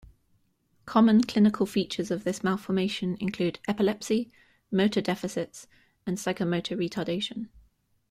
Common clinical features of this malformation include epilepsy, motor deficits, and psychomotor retardation.